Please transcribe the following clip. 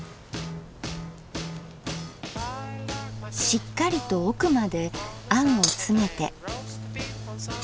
しっかりと奥まであんを詰めて。